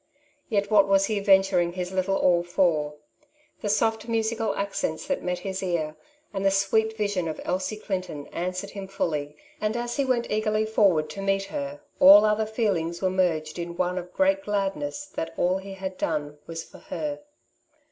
Yet, what was he venturing his little all for ? The soft musical accents that met his ear, and the sweet vision of Elsie Clinton answered him fully, and as he went eagerly forward to meet her all other feelings were merged in one of great gladness that all he had done was for her.